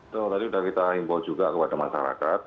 tadi sudah kita impor juga kepada masyarakat